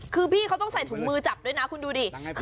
คือพี่เขาต้องใส่ถุงมือจับด้วยนะคุณดูดิ